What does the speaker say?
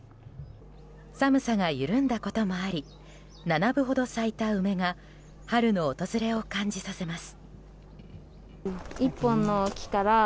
寒さが緩んだこともあり七分ほど咲いた梅が春の訪れを感じさせます。